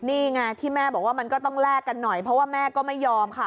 นี่ไงที่แม่บอกว่ามันก็ต้องแลกกันหน่อยเพราะว่าแม่ก็ไม่ยอมค่ะ